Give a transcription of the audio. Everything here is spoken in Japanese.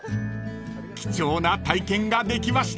［貴重な体験ができました］